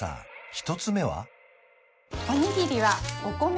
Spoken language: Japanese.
一つ目は？